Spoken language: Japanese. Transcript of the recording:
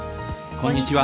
こんにちは。